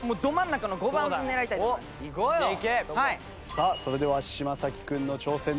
さあそれでは嶋君の挑戦です。